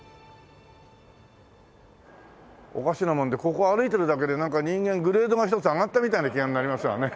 おかしなもんでここ歩いてるだけでなんか人間グレードが１つ上がったみたいな気になりますわね。